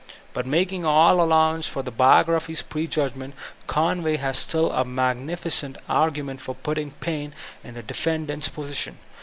But making all allowance for the biograiAer's prejudgment, Conway has still a magnificent aigoment for putting Paine in the defendant's position.